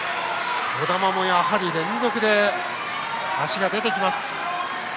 児玉も連続で足が出てきます。